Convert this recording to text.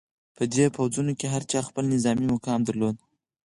په دې پوځونو کې هر چا خپل نظامي مقام درلود.